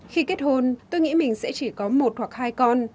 khi kết hôn tôi nghĩ mình sẽ chỉ có một hoặc hai con